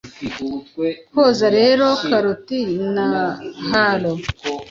Kwoza rero, karoti na halo